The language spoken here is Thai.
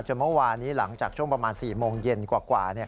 เมื่อวานนี้หลังจากช่วงประมาณ๔โมงเย็นกว่า